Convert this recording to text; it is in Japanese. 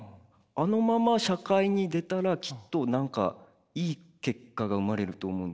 あのまま社会に出たらきっと何かいい結果が生まれると思うんですよね。